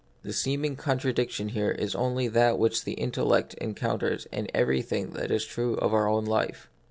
The seeming contradiction here is only that which the intellect encounters in everything that is true of our own life.